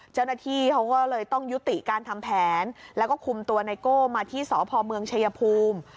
เจ้าหน้าที่เขาก็เลยต้องยุติการทำแผนแล้วก็คุมตัวไนโก้มาที่สพเมืองชายภูมิ